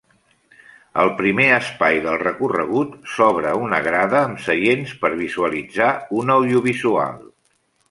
Al primer espai del recorregut s'obre una grada amb seients per visualitzar un audiovisual.